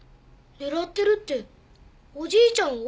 狙ってるっておじいちゃんを？